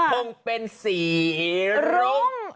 คงเป็นสีรุ้ง